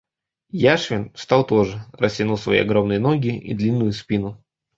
Яшвин встал тоже, растянув свои огромные ноги и длинную спину.